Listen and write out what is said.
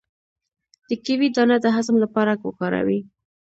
د کیوي دانه د هضم لپاره وکاروئ